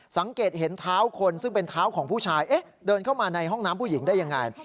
สังเกตเห็นเท้าคนซึ่งเป็นเท้าของผู้ชายเอ๊ะเดินเข้ามาในห้องน้ำผู้หญิงได้ยังไง